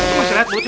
udah seret mulutnya